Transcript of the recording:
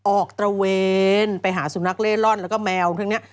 ตระเวนไปหาสุนัขเล่ร่อนแล้วก็แมวทั้งนี้